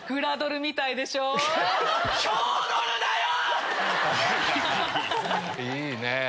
いいね。